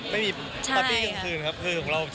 ไม่มีปาร์ตี้กลางคืนครับ